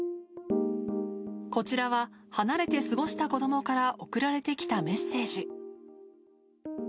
こちらは、離れて過ごした子どもから送られてきたメッセージ。